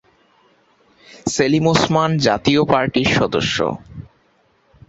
সেলিম ওসমান জাতীয় পার্টির সদস্য।